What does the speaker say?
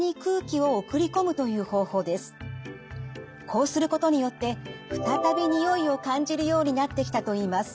こうすることによって再び匂いを感じるようになってきたといいます。